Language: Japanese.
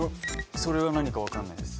それが何かわかんないです